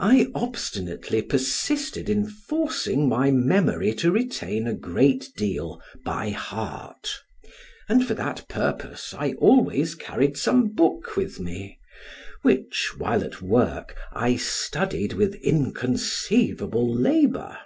I obstinately persisted in forcing my memory to retain a great deal by heart, and for that purpose, I always carried some book with me, which, while at work, I studied with inconceivable labor.